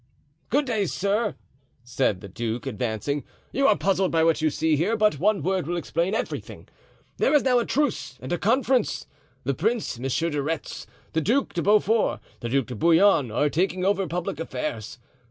"Good day, sirs," said the duke, advancing; "you are puzzled by what you see here, but one word will explain everything. There is now a truce and a conference. The prince, Monsieur de Retz, the Duc de Beaufort, the Duc de Bouillon, are talking over public affairs.